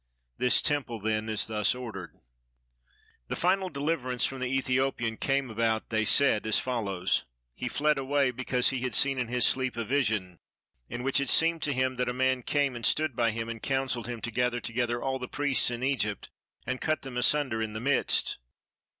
This temple then is thus ordered. The final deliverance from the Ethiopian came about (they said) as follows: he fled away because he had seen in his sleep a vision, in which it seemed to him that a man came and stood by him and counselled him to gather together all the priests in Egypt and cut them asunder in the midst.